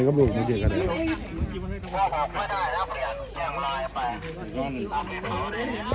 อันดับสุดท้ายก็คืออันดับสุดท้าย